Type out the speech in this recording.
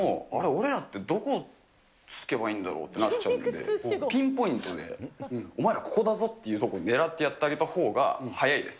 俺らってどこつけばいいんだろうってなっちゃうんで、ピンポイントで、お前らここだぞって狙ってやってあげたほうが早いです。